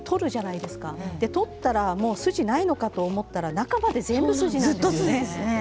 筋を取ったらもうないのかと思ったら中まで筋なんですよね。